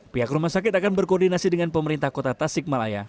pihak rumah sakit akan berkoordinasi dengan pemerintah kota tasikmalaya